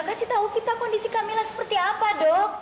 kasih tau kita kondisi kamila seperti apa dok